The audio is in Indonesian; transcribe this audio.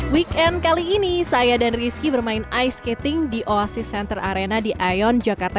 weekend kali ini saya dan rizky bermain ice skating di oasis center arena di aion jakarta